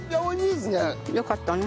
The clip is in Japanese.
よかったな。